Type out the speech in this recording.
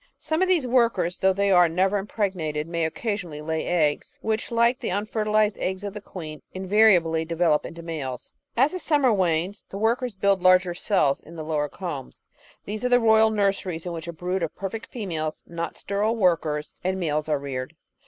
Some of these workers, though they are never impregnated, may occasionally lay eggs, which, like the unfertilised eggs of the queen, invariably develop into males. As summer wanes, the workers build larger cells in the lower combs. These are the royal nurseries in which a brood of perfect females, not sterile workers, and males are reared.